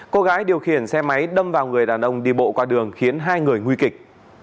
cô gái điều khiển xe máy đâm vào người đàn ông đi bộ qua đường khiến hai người nguy kịch